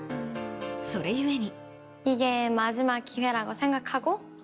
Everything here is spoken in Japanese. それゆえに。